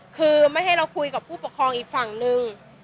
คือไม่ให้เราคุยกับผู้ปกครองอีกฝั่งนึง